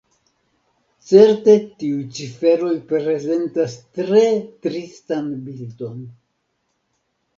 Certe tiuj ciferoj prezentas tre tristan bildon.